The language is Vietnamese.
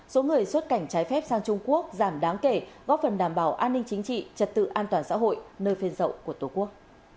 số người xuất cảnh trái phép sang trung quốc giảm đáng kể góp phần đảm bảo an ninh chính trị trật tự an toàn xã hội nơi phên dậu của tổ quốc